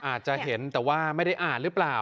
อาจจะเห็นแต่ว่าไม่ได้อ่านหรือเปล่า